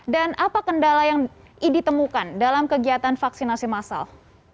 dan apa kendala yang ditemukan dalam kegiatan vaksinasi massal